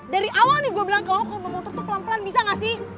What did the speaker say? dari awal nih gue bilang ke lo kalo bawa motor tuh pelan pelan bisa gak sih